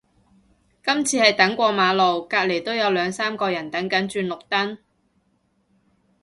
今次係等過馬路，隔離都有兩三個人等緊轉綠燈